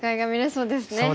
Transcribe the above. そうですね。